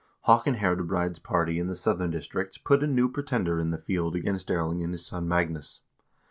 Haakon Herdebreid's party in the southern districts put a new pretender in the field against Erling and his son Magnus.